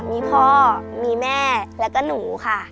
มีพ่อมีแม่แล้วก็หนูค่ะ